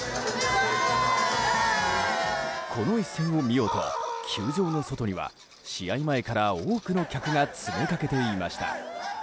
この一戦を見ようと球場の外には試合前から多くの客が詰めかけていました。